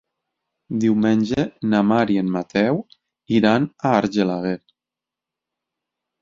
Diumenge na Mar i en Mateu iran a Argelaguer.